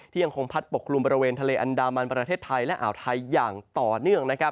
ยังคงพัดปกคลุมบริเวณทะเลอันดามันประเทศไทยและอ่าวไทยอย่างต่อเนื่อง